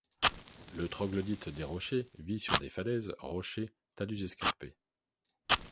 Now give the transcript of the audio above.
Le Troglodyte des rochers vit sur des falaises, rochers, talus escarpés.